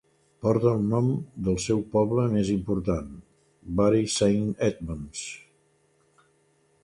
Porta el nom del seu poble més important, Bury Saint Edmunds.